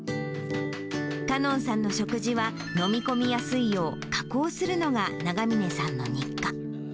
かのんさんの食事は飲み込みやすいよう加工するのが、永峰さんの日課。